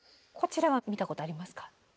こちらは見たことありますか？